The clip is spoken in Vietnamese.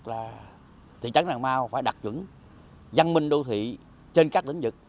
là thị trấn nàng mau phải đạt chuẩn văn minh đô thị trên các lĩnh vực